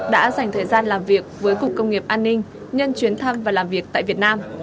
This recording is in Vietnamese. đã dành thời gian làm việc với cục công nghiệp an ninh nhân chuyến thăm và làm việc tại việt nam